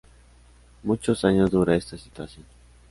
Muchos años dura esta situación.